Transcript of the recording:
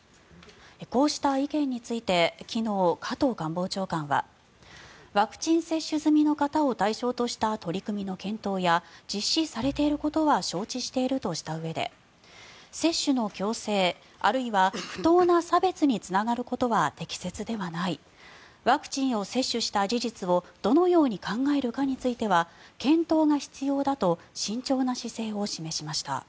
こうした意見について昨日、加藤官房長官はワクチン接種済みの方を対象とした取り組みの検討や実施されていることは承知しているとしたうえで接種の強制、あるいは不当な差別につながることは適切ではないワクチンを接種した事実をどのように考えるかについては検討が必要だと慎重な姿勢を示しました。